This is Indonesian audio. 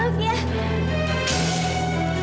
lucu banget satu bayinya